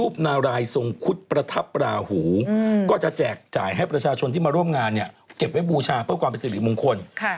ประสิทธิ์หรือมงคล